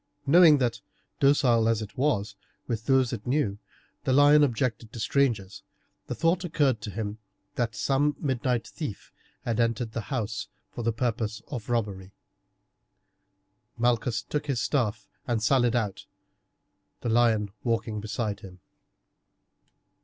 Knowing that, docile as it was with those it knew, the lion objected to strangers, the thought occurred to him that some midnight thief had entered the house for the purpose of robbery. Malchus took his staff and sallied out, the lion walking beside him.